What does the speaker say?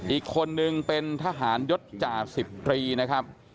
อีกคนหนึ่งเป็นทหารยศจ่า๑๐ปีนะครับ